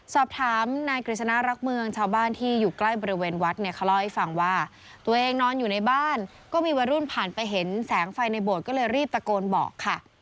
สอบถามนายกฤษณะรักเมืองชาวบ้านที่อยู่ใกล้บริเวณวัดเนี่ยเขาเล่าให้ฟังว่าตัวเองนอนอยู่ในบ้านก็มีวัยรุ่นผ่านไปเห็นแสงไฟในโบสถ์ก็เลยรีบตะโกนบอกค่ะ